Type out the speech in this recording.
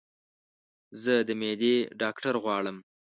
زه د معدي ډاکټر غواړم